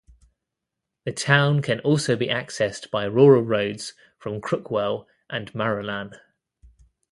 The town can also be accessed by rural roads from Crookwell and Marulan.